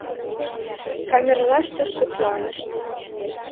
Камерлаште шыпланышт.